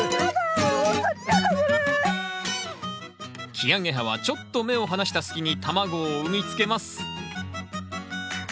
キアゲハはちょっと目を離した隙に卵を産みつけます。